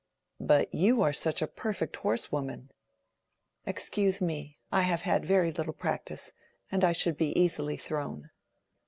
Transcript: "But you are such a perfect horsewoman." "Excuse me; I have had very little practice, and I should be easily thrown."